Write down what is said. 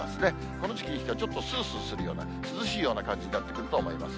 この時期にしてはちょっとすーすーするような涼しいような感じになってくると思います。